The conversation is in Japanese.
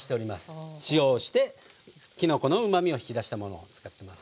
塩をしてきのこのうまみを引き出したものを使ってます。